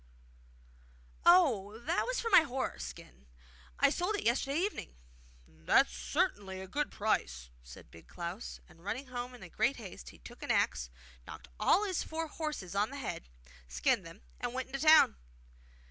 'Oh, that was from my horse skin. I sold it yesterday evening.' 'That's certainly a good price!' said Big Klaus; and running home in great haste, he took an axe, knocked all his four horses on the head, skinned them, and went into the town.